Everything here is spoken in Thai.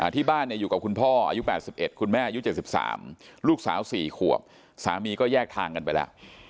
ที่บ้านอยู่กับคุณพ่ออายุ๘๑คุณแม่อายุ๗๓ลูกสาว๔ขวบสามีก็แยกทางกันไปแล้ว